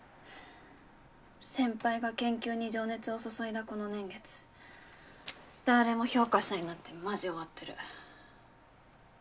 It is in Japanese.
先輩が研究に情熱を注いだこの年月だれも評価しないなんてマジ終わってる。